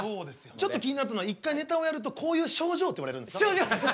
ちょっと気になったのは一回ネタをやるとこういう症状っていわれるんですね。